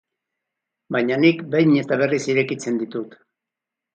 Baina nik behin eta berriz irekitzen ditut.